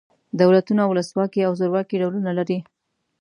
دولتونه ولس واکي او زورواکي ډولونه لري.